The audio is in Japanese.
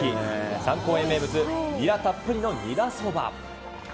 三幸園名物、ニラたっぷりのニラそば。